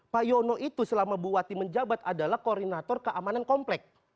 pak yono itu selama bupati menjabat adalah koordinator keamanan komplek